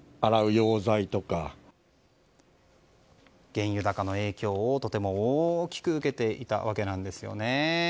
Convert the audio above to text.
原油高の影響をとても大きく受けていたわけなんですね。